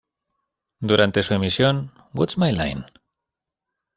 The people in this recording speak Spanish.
Durante su emisión, "What's My Line?